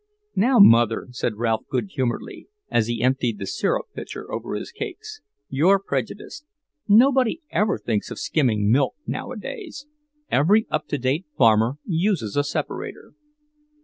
"Now, Mother," said Ralph good humouredly, as he emptied the syrup pitcher over his cakes, "you're prejudiced. Nobody ever thinks of skimming milk now a days. Every up to date farmer uses a separator."